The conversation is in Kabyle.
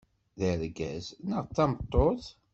D argaz neɣ d tameṭṭut?